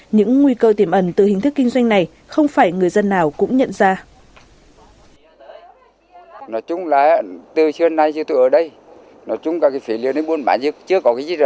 những nguy cơ tiềm ẩn từ hình thức kinh doanh này không phải người dân nào cũng nhận ra